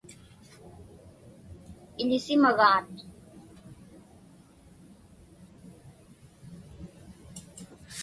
Iḷisimagaat.